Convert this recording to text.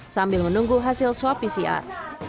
sambil menunggu hasil swab pcr